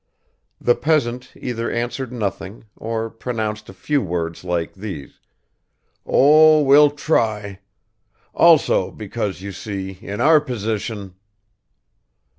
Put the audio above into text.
The peasant either answered nothing, or pronounced a few words like these, "Oh, we'll try ... also, because, you see, in our position